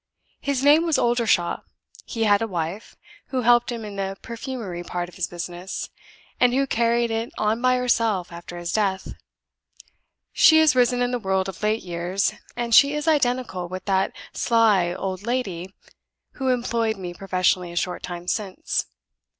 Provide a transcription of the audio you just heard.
His name was Oldershaw. He had a wife, who helped him in the perfumery part of his business, and who carried it on by herself after his death. She has risen in the world of late years; and she is identical with that sly old lady who employed me professionally a short time since.